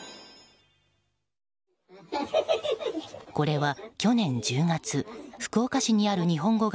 これは、去年１０月福岡市にある日本語